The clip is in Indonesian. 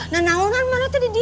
nanawonan mana tadi dia